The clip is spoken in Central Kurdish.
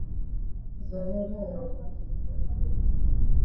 زانیار نایەوێت ئۆتۆمۆبیلێکی نوێ بکڕێت.